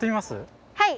はい！